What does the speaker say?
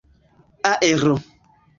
aero